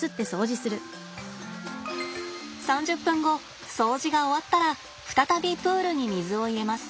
３０分後掃除が終わったら再びプールに水を入れます。